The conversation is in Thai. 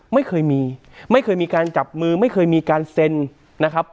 ไม่เคยมีไม่เคยมีการจับมือไม่เคยมีการเซ็นนะครับ